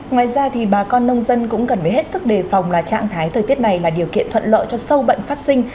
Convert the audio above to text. ngoài ra thì bà con nông dân cũng cần phải hết sức đề phòng là trạng thái thời tiết này là điều kiện thuận lợi cho sâu bệnh phát sinh